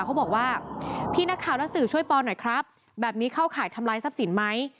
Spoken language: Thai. เขาบอกว่าพี่นักข่าวนักสื่อช่วยปอหน่อยครับแบบนี้เข้าข่ายทำลายทรัพย์สินไหม